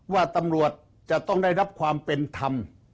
ว่าตำรวจจะต้องได้รับความเป็นธรรม